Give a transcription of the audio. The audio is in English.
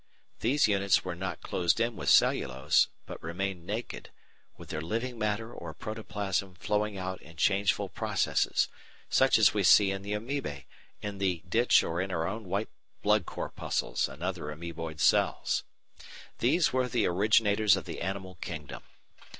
These units were not closed in with cellulose, but remained naked, with their living matter or protoplasm flowing out in changeful processes, such as we see in the Amoebæ in the ditch or in our own white blood corpuscles and other amoeboid cells. These were the originators of the animal kingdom.